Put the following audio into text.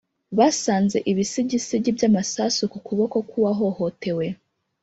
basanze ibisigisigi by'amasasu ku kuboko kw'uwahohotewe.